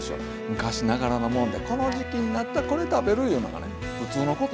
昔ながらのもんでこの時期になったらこれ食べるいうのがねふつうのことですから。